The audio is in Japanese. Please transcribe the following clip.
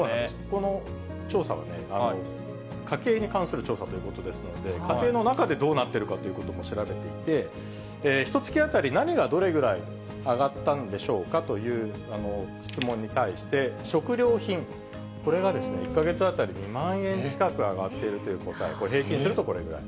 この調査はね、家計に関する調査ということですので、家庭の中でどうなっているかということも調べていて、ひとつき当たり、何がどれぐらい上がったんでしょうかという質問に対して、食料品、これが１か月当たり２万円近く上がっているという答え、これ、平均するとこれぐらい。